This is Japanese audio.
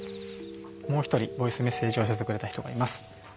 もう一人、ボイスメッセージを寄せてくれた人がいます。